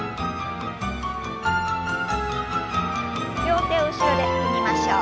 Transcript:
両手を後ろで組みましょう。